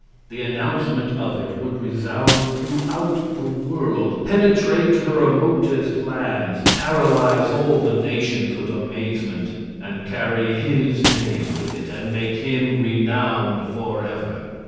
The announcement of it would resound throughout the world, penetrate to the remotest lands, paralyze all the nations with amazement and carry his name with it, and make him renowned forever.